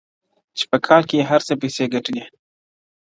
چي په کال کي یې هر څه پیسې گټلې-